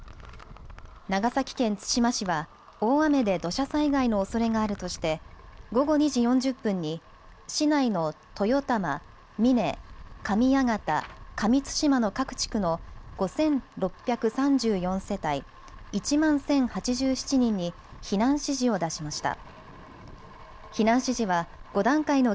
長崎県対馬市は大雨で土砂災害のおそれがあるとして午後２時４０分に市内の豊玉、峰、上県、上対馬の各地区の５６３４世帯１万１０８７人に避難指示を出しました。